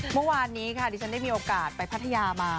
เมื่อวานนี้ค่ะดิฉันได้มีโอกาสไปพัทยามา